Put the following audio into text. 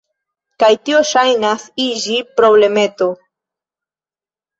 Kaj tio ŝajnas iĝi problemeto.